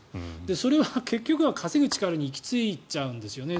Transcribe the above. それは結局は稼ぐ力に行き着いちゃうんですよね。